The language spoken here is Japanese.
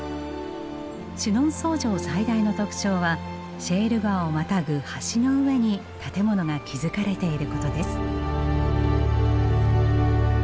シュノンソー城最大の特徴はシェール川をまたぐ橋の上に建物が築かれていることです。